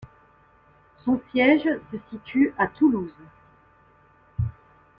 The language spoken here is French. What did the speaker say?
Son siège se situe à Toulouse.